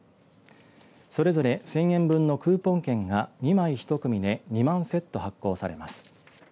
それぞれ１０００円分のクーポン券が２枚１組で２万セット発行されます。